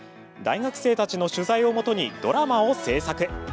大学生たちの取材を基にドラマを制作。